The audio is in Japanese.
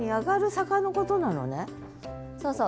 そうそう。